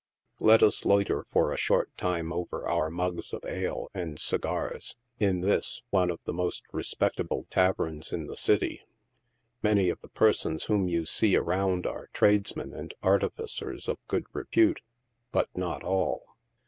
Let us loiter for a short time, over our mugs of ale and segars, in this, one of the most respectable taverns in the city. Many of the persons whom you see around are tradesmen and artificers of good repute, but not all.